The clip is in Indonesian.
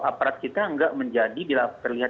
aparat kita nggak menjadi bila terlihat